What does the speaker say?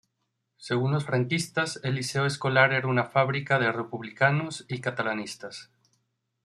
Según los franquistas, el Liceo Escolar era una fábrica de republicanos y catalanistas.